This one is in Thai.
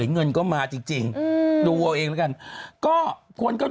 งานกระจุ้ยเลย